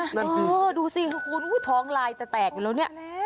นั่นสิดูสิคือคุณท้องลายจะแตกอยู่แล้วเนี่ย